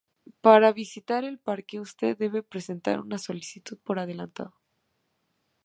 Para visitar el parque, usted debe presentar una solicitud por adelantado.